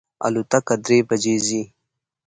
الوتکه درې بجی ځي